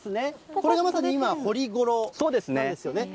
これがまさに今、掘りごろなんですよね。